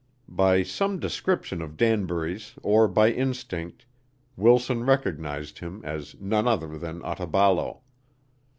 By some description of Danbury's or by instinct, Wilson recognized him as none other than Otaballo.